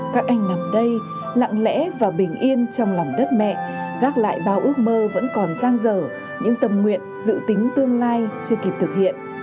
các anh nằm đây lặng lẽ và bình yên trong lòng đất mẹ gác lại bao ước mơ vẫn còn giang dở những tâm nguyện dự tính tương lai chưa kịp thực hiện